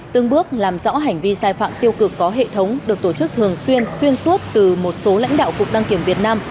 tương bước làm rõ hành vi sai phạm tiêu cực có hệ thống được tổ chức thường xuyên xuyên suốt từ một số lãnh đạo cục đăng kiểm việt nam